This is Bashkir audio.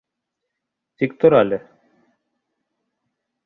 Тик тор әле!